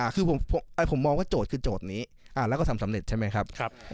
คือผมมองว่าโจทย์คือโจทย์นี้แล้วก็ทำสำเร็จใช่ไหมครับ